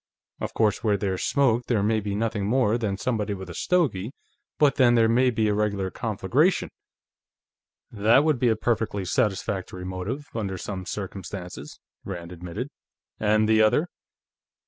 Of course, where there's smoke, there may be nothing more than somebody with a stogie, but, then, there may be a regular conflagration." "That would be a perfectly satisfactory motive, under some circumstances," Rand admitted. "And the other?"